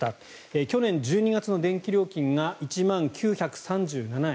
去年１２月の電気料金が１万９３７円。